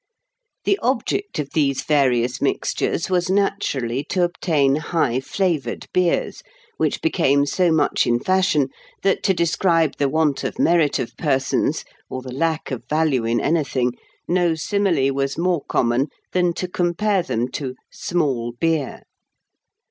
The object of these various mixtures was naturally to obtain high flavoured beers, which became so much in fashion, that to describe the want of merit of persons, or the lack of value in anything, no simile was more common than to compare them to "small beer."